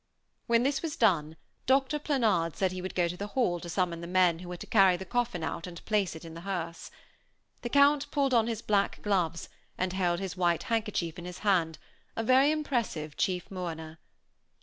When this was done, Doctor Planard said he would go to the hall to summon the men who were to carry the coffin out and place it in the hearse. The Count pulled on his black gloves, and held his white handkerchief in his hand, a very impressive chief mourner.